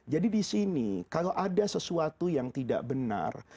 jadi disini kalau ada sesuatu yang tidak benar